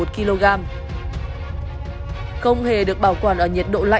không hề được bảo quản ở nhiệt độ thường